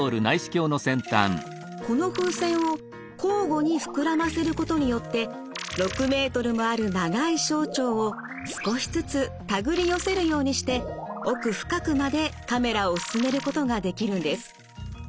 この風船を交互に膨らませることによって６ｍもある長い小腸を少しずつ手繰り寄せるようにして奥深くまでカメラを進めることができるんです。